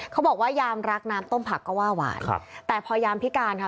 เขาบอกว่ายามรักน้ำต้มผักก็ว่าหวานครับแต่พอยามพิการค่ะ